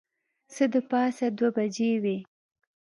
څه د پاسه دوې بجې وې.